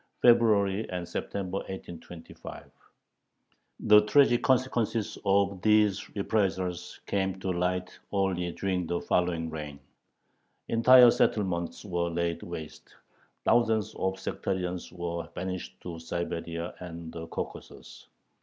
(February and September, 1825). The tragic consequences of these reprisals came to light only during the following reign. Entire settlements were laid waste, thousands of sectarians were banished to Siberia and the Caucasus.